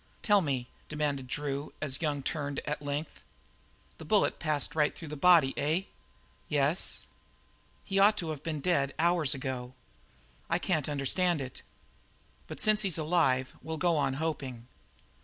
"Tell me!" demanded Drew, as Young turned at length. "The bullet passed right through the body, eh?" "Yes." "He ought to have been dead hours ago. I can't understand it. But since he's still alive we'll go on hoping."